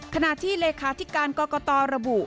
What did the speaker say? ขณะที่เลขาธิการกรกตระบุ